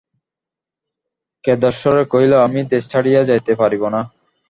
কেদারেশ্বর কহিল, আমি দেশ ছাড়িয়া যাইতে পারিব না।